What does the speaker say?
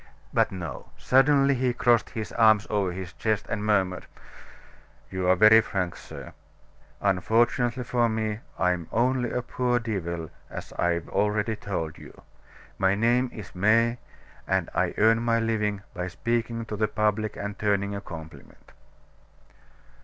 But no; suddenly he crossed his arms over his chest, and murmured: "You are very frank, sir. Unfortunately for me, I'm only a poor devil, as I've already told you. My name is May, and I earn my living by speaking to the public and turning a compliment."